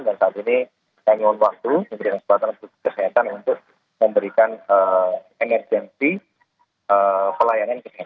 dan saat ini kami memiliki waktu kegiatan untuk memberikan energi pelayanan